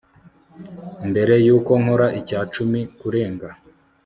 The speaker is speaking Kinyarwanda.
Mbere yuko nkora icya cumi kurenga